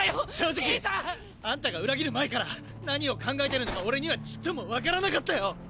正直あんたが裏切る前から何を考えてるのか俺にはちっともわからなかったよ！！